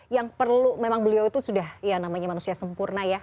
yang perlu memang beliau itu sudah ya namanya manusia sempurna ya